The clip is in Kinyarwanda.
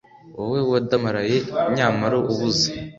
wowe wadamaraye, nyamara ubuze